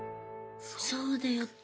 そうだよ